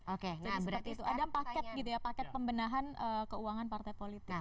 oke nah berarti itu ada paket gitu ya paket pembenahan keuangan politik itu juga ada yang terakhir